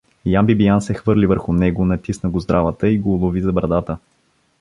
Ян Бибиян се хвърли върху него, натисна го здравата и го улови за брадата.